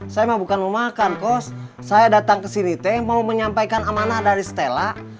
saya bukan mau makan kos saya datang ke sini teh mau menyampaikan amanah dari stella